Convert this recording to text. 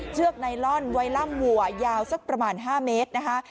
ไนลอนไว้ล่ำวัวยาวสักประมาณ๕เมตรนะคะ